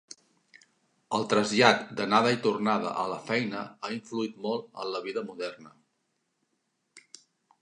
El trasllat d'anada i tornada a la feina ha influït molt en la vida moderna.